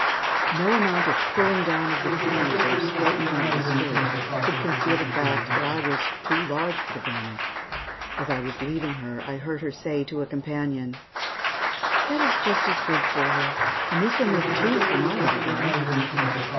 No amount of pulling down of the sleeves or straightening out of the skirt could conceal the fact that I was too large for the garment. As I was leaving her, I heard her say to a companion, "That is just as good for her, and this will make two for my little girl."